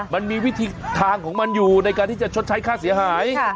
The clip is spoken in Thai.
มันมีวิธีทางของมันอยู่ในการที่จะชดใช้ค่าเสียหาย